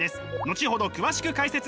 後ほど詳しく解説。